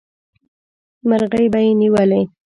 مرغۍ به یې نیولې.